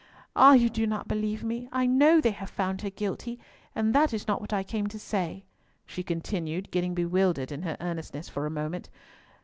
Ah! you do not believe me! I know they have found her guilty, and that is not what I came to say," she continued, getting bewildered in her earnestness for a moment.